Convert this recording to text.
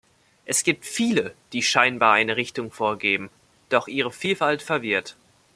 Es gibt viele, die scheinbar eine Richtung vorgeben, doch ihre Vielfalt verwirrt.